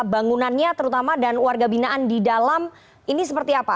bangunannya terutama dan warga binaan di dalam ini seperti apa